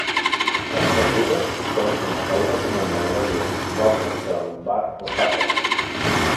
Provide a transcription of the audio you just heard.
Les caigudes són una causa comuna de lesions del plexe lumbar o sacre.